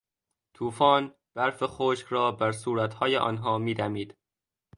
توفان، برف خشک را بر صورتهای آنها میدمید.